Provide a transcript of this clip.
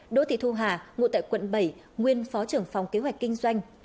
đỗ thị thu hà ngụ tại quận bảy nguyên phó trưởng phòng kế hoạch kinh doanh